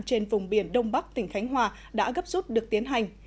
trên vùng biển đông bắc tỉnh khánh hòa đã gấp rút được tiến hành